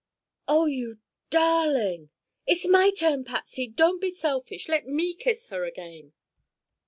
"Oh, you darling!" "It's my turn, Patsy! Don't be selfish. Let me kiss her again."